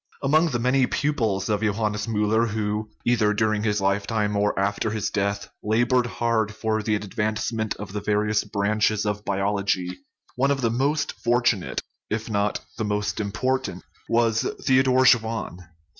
Among the many pupils of Johannes Miiller who, either during his lifetime or after his death, labored hard for the advancement of the various branches of biology, one of the most fortunate if not the most im portant was Theodor Schwann.